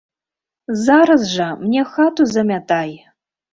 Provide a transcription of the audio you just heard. Зараз жа мне хату замятай!